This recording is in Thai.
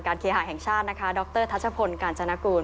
เคหาแห่งชาตินะคะดรทัชพลกาญจนกูล